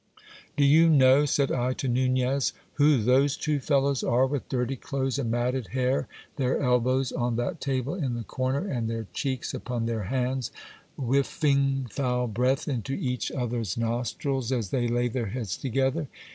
Do you know, said I to Nunez, who those two fellows are with dirty clothes and matted hair, their elbows on that table in the corner, and their cheeks upon their hands, whiffing foul breath into each other's nostrils as they lay their heads together